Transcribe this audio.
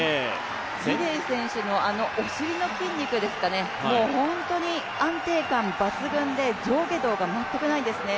ギデイ選手のあのお尻の筋肉ですかね、本当に安定感抜群で上下動が全くないんですね。